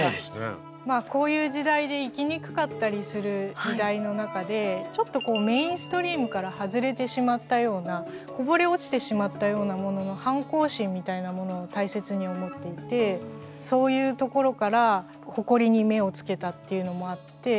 こういう時代で生きにくかったりする時代の中でちょっとこうメインストリームから外れてしまったようなこぼれ落ちてしまったようなものの反抗心みたいなものを大切に思っていてそういうところからほこりに目をつけたっていうのもあって。